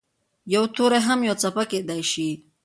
یو توری هم یوه څپه کېدای شي.